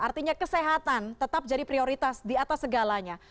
artinya kesehatan tetap jadi prioritas di atas segalanya